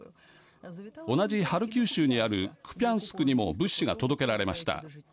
同じハルキウ州にあるクピャンスクにも物資が届けられました。